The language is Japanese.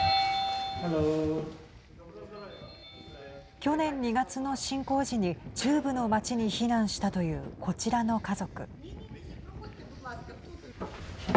去年２月の侵攻時に中部の町に避難したというこちらの家族。